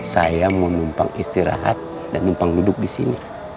saya mau numpang istirahat dan numpang duduk di sini